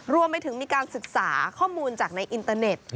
รวมไปถึงมีการศึกษาข้อมูลจากในอินเตอร์เน็ต